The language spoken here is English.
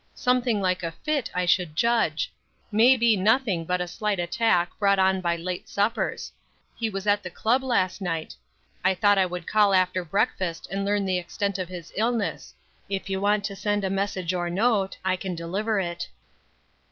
Something like a fit, I should judge; may be nothing but a slight attack, brought on by late suppers. He was at the club last night. I thought I would call after breakfast, and learn the extent of the illness. If you want to send a message or note, I can deliver it."